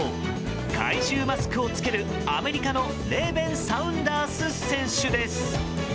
怪獣マスクを着けるアメリカのレーベン・サウンダース選手です。